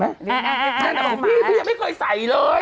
นั่นของพี่ไม่ใกล้ใส่เลย